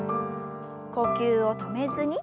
呼吸を止めずに。